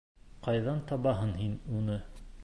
Ҡайҙан табаһың һин уны?